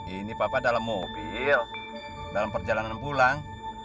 ini papa dalam mobil dalam perjalanan pulang